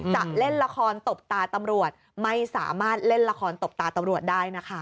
จะเล่นละครตบตาตำรวจไม่สามารถเล่นละครตบตาตำรวจได้นะคะ